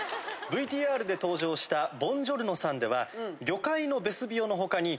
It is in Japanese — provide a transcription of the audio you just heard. ＶＴＲで登場したボンジョルノさんでは魚介のベスビオの他に。